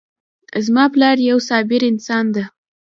زما پلار یو صابر انسان ده